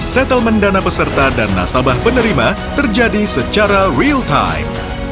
settlement dana peserta dan nasabah penerima terjadi secara real time